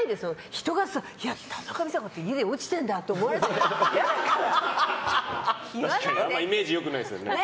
人から田中美佐子が家で落ちてんだって思われたらイメージ良くないですよね。